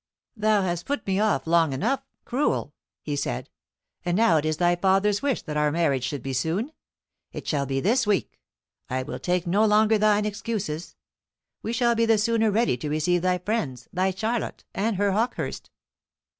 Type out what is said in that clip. "Thou hast put me off long enough, cruel," he said; "and now it is thy father's wish that our marriage should be soon. It shall be this week; I will take no longer thine excuses. We shall be the sooner ready to receive thy friends, thy Charlotte and her Hawkehurst."